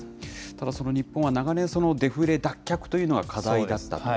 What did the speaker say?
ただ、日本は長年、デフレ脱却というのが課題だったと。